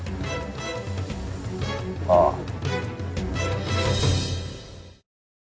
ああ。